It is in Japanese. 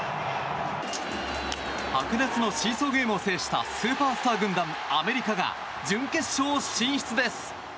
白熱のシーソーゲームを制したスーパースター軍団、アメリカが準決勝進出です。